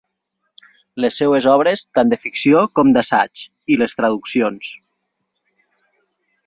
Les seues obres tant de ficció com d’assaig, i les traduccions.